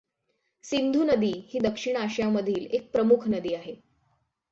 सिंधु नदी ही दक्षिण आशियामधील एक प्रमुख नदी आहे.